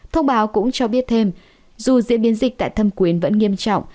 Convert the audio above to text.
thông báo cũng cho biết thêm dù diễn biến dịch tại thâm quyến vẫn nghiêm trọng